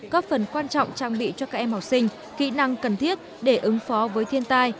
góp phần quan trọng trang bị cho các em học sinh kỹ năng cần thiết để ứng phó với thiên tai